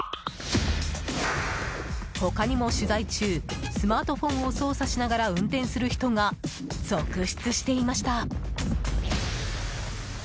他にも、取材中スマートフォンを操作しながら運転する人が続出していました。